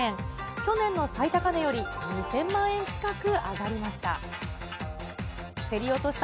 去年の最高値より２０００万円近く上がりました。